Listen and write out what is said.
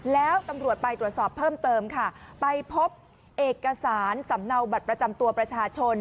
แล้วตำรวจไปตรวจสอบเพิ่มเติมค่ะไปพบเอกสารสำเนาบัตรประจำตัวประชาชน